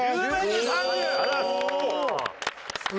ありがとうございます。